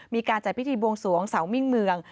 มีการจัดพิธีบวงสวงเสามิ่งเมือง